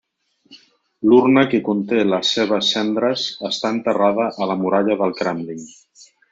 L'urna que conté les seves cendres està enterrada a la Muralla del Kremlin.